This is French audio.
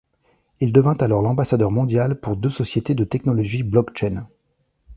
Il devient alors l'ambassadeur mondial pour deux sociétés de technologie Blockchain.